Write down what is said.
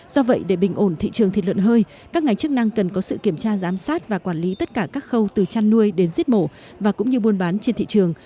do vậy để bình ổn thị trường thịt lợn hơi các ngành chức năng cần có sự kiểm tra giám sát và quản lý tất cả các khâu từ chăn nuôi đến giết mổ và cũng như buôn bán trên thị trường